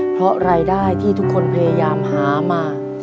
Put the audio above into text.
เพราะรายได้ที่ทุกคนพยายามหามา